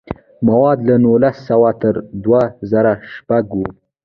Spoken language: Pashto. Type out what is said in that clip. موده له نولس سوه تر دوه زره شپږ وه.